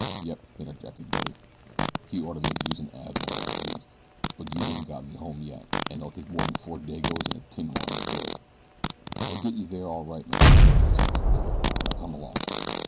"Yep," interjected Billy, "he orter make youse an admiral at least; but youse ain't got me home yet, an' it'll take more'n four Dagos an' a tin horn to do it." "They'll get you there all right, my friend," Grayson assured him. "Now come along."